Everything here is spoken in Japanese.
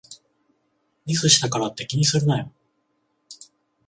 ミスしたからって気にするなよ